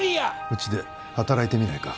うちで働いてみないか？